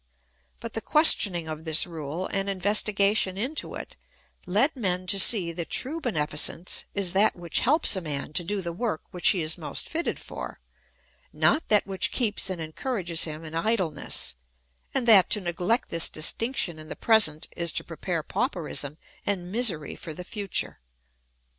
But the questioning of this rule, and investigation into it, led men to see that true beneficence is that which helps a man to do the work which he is most fitted for, not that which keeps and encourages him in idleness ; and that to neglect this distinction in the present is to prepare pauperism and misery for the future.